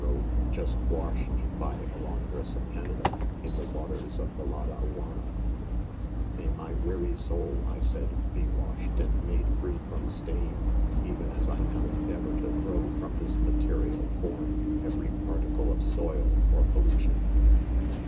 robe, just washed, by a laun dress of Canada, in the waters of the Ladaii arnia*. May .my weary soul, I said, be wask° @d and made free from stain, even as I now endeavor tp, throw from this material form, ©very particle of soil or pollution